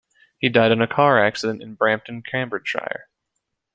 He died in a car accident in Brampton, Cambridgeshire.